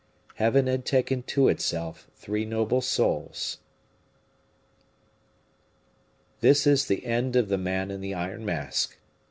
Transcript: Heaven had taken to itself three noble souls. End of The Man in the Iron Mask.